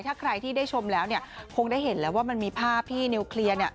ถ้าใครที่ได้ชมแล้วเนี่ยคงได้เห็นแล้วว่ามันมีภาพที่นิวเคลียร์เนี่ย